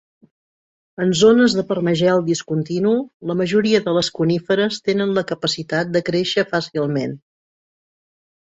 En zones de permagel discontinu, la majoria de les coníferes tenen la capacitat de créixer fàcilment.